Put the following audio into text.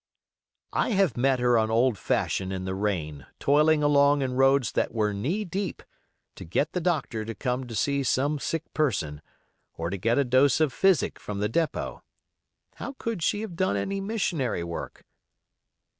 I have met her on old Fashion in the rain, toiling along in roads that were knee deep, to get the doctor to come to see some sick person, or to get a dose of physic from the depot. How could she have done any missionary work?